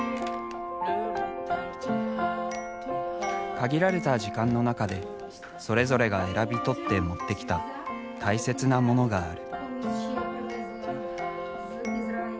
限られた時間の中でそれぞれが選び取って持ってきた大切なモノがある。